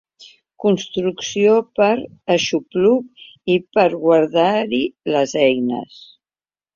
Construcció per aixopluc i per guardar-hi les eines.